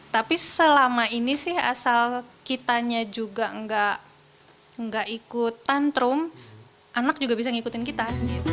tapi selama ini sih asal kitanya juga nggak ikut tantrum anak juga bisa ngikutin kita